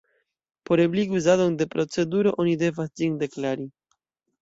Por ebligi uzadon de proceduro oni devas ĝin "deklari".